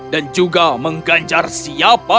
dan juga mengganjar siapa